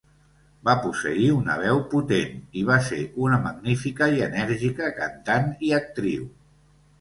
Va posseir una veu potent i va ser una magnífica i enèrgica cantant i actriu.